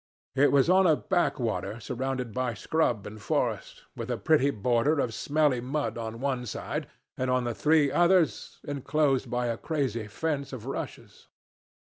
It was on a back water surrounded by scrub and forest, with a pretty border of smelly mud on one side, and on the three others inclosed by a crazy fence of rushes.